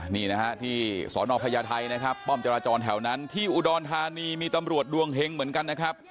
นี่นะฮะที่สอนอพญาไทยนะครับป้อมจราจรแถวนั้นที่อุดรธานีมีตำรวจดวงเฮงเหมือนกันนะครับ